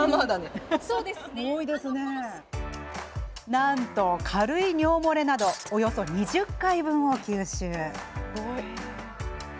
なんと、軽い尿漏れなどおよそ２０回分を吸収。